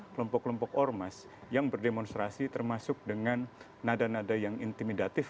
kelompok kelompok ormas yang berdemonstrasi termasuk dengan nada nada yang intimidatif